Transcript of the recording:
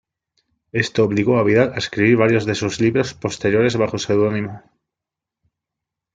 Esto obligó a Vidal a escribir varios de sus libros posteriores bajo seudónimo.